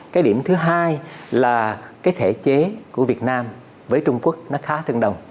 cái điểm thứ hai là cái thể chế của việt nam với trung quốc nó khá tương đồng